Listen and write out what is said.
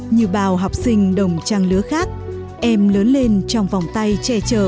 như bao học sinh đồng trang lứa khác em lớn lên trong vòng tay che chở